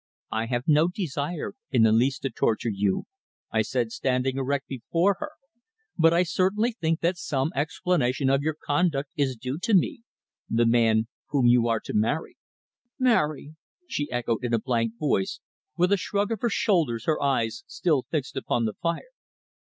"I have no desire in the least to torture you," I said, standing erect before her. "But I certainly think that some explanation of your conduct is due to me the man whom you are to marry." "Marry!" she echoed in a blank voice, with a shrug of her shoulders, her eyes still fixed upon the fire.